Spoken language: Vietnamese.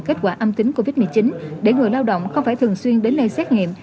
kết quả âm tính covid một mươi chín để người lao động không phải thường xuyên đến đây xét nghiệm